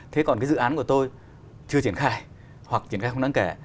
thế còn cái dự án của tôi chưa triển khai hoặc triển khai không đáng kể